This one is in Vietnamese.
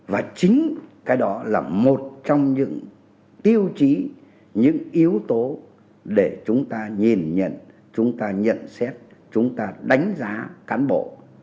và chính cái đó là một trong những tiêu chí những yếu tố để chúng ta nhìn nhận chúng ta nhận xét chúng ta đánh giá cán bộ